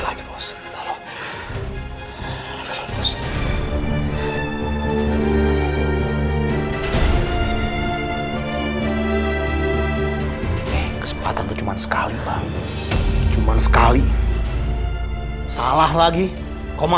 sisi rumah ini